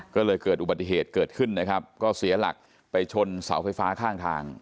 ก็เลยเกิดอุบัติเหตุเกิดขึ้นนะครับก็เสียหลักไปชนเสาไฟฟ้าข้างทาง